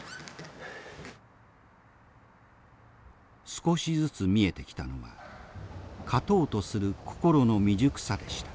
少しずつ見えてきたのは勝とうとする心の未熟さでした。